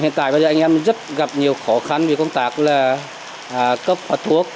hiện tại bây giờ anh em rất gặp nhiều khó khăn vì công tác là cấp phát thuốc